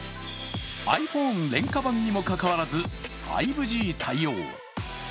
ｉＰｈｏｎｅ廉価版にもかかわらず５Ｇ対応。